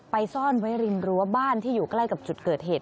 ซ่อนไว้ริมรั้วบ้านที่อยู่ใกล้กับจุดเกิดเหตุ